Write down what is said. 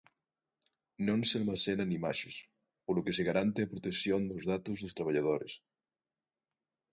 Non se almacenan imaxes, polo que se garante a protección dos datos dos traballadores.